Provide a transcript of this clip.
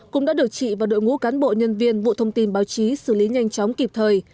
cũng đã được chị và đội ngũ cán bộ nhân viên vụ thông tin báo chí xử lý nhanh chóng kịp thời